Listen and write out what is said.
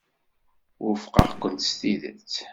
Wufqeɣ-kent s tidet.